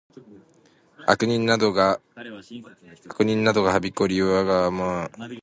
悪人などがはびこり、我がもの顔に振る舞うこと。